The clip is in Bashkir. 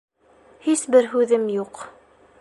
Һис бер һүҙем юҡ.